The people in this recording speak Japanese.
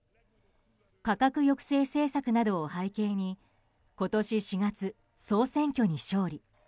価格抑制政策などを背景に今年４月、総選挙に勝利。